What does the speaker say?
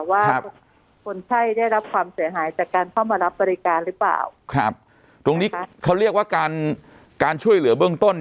ว่าคนไข้ได้รับความเสียหายจากการเข้ามารับบริการหรือเปล่าครับตรงนี้เขาเรียกว่าการการช่วยเหลือเบื้องต้น